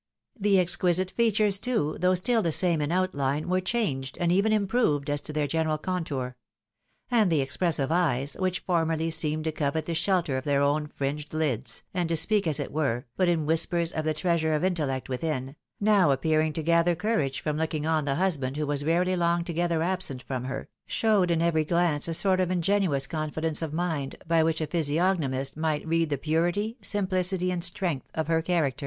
The exquisite features, too, though still the same in outline, were changed, and even improved as to their general contour. And the expressive eyes, which formerly seemed to covet the shelter of their own fringed Uds, and to speak, as it were, but in whispers of the treasure of intellect within, now, appearing to gather courage from looking on the husband who was rarely long together absent from her, showed in every glance a sort of ingenuous confidence of mind, by wliich a physiognomist might read the purity, simplicity, and strength of her character.